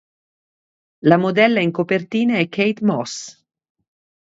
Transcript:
La modella in copertina è Kate Moss.